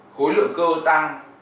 khối lượng cơ tăng